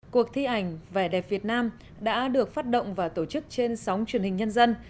cuộc thi ảnh vẻ đẹp việt nam đã được phát động và tổ chức trên sóng truyền hình nhân dân